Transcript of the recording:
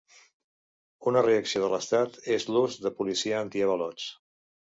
Una reacció de l'estat és l'ús de policia antiavalots.